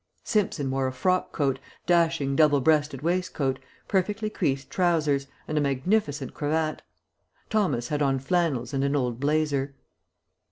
Simpson wore a frock coat, dashing double breasted waistcoat, perfectly creased trousers, and a magnificent cravat; Thomas had on flannels and an old blazer.